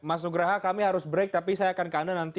mas nugraha kami harus break tapi saya akan ke anda nanti